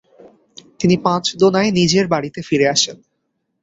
তিনি পাঁচদোনায় নিজের বাড়িতে ফিরে আসেন।